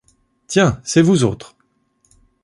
Tiens ! c’est vous autres !